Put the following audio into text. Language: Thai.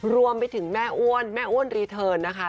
รวมไปถึงแม่อ้วนแม่อ้วนรีเทิร์นนะคะ